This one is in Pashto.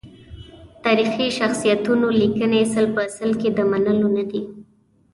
تاریخي شخصیتونو لیکنې سل په سل کې د منلو ندي.